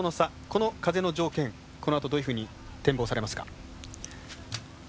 この風の条件、このあとどういうふうに展望されますか？